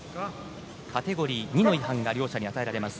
カテゴリー２の違反が両者に与えられます。